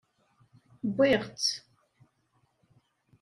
Wwiɣ-tt.